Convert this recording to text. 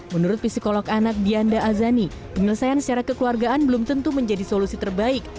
menurut psikolog anak dianda azani penyelesaian secara kekeluargaan belum tentu menjadi solusi terbaik